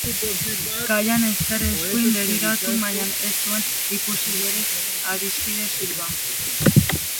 Kaian ezker-eskuin begiratu, baina ez zuen ikusi bere adiskide Silva.